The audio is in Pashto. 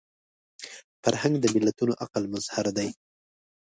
فرهنګ د ملتونو عقل مظهر دی